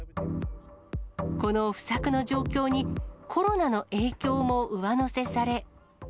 この不作の状況に、コロナの影響も上乗せされ。